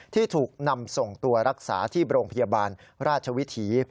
ที่ถูกนำส่งตัวรักษาที่โรงพยาบาลราชวิถี